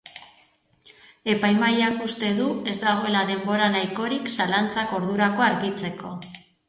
Epaimahaiak uste du ez dagoela denbora nahikorik zalantzak ordurako argitzeko.